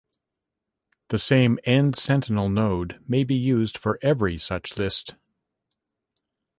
The same end-sentinel node may be used for "every" such list.